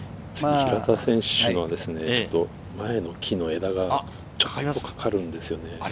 平田選手の前の木の枝がちょっとかかるんですよね。